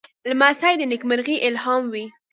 لمسی د نېکمرغۍ الهام وي.